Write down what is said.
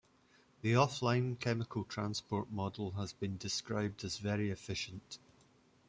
The offline chemical transport model has been described as "very efficient".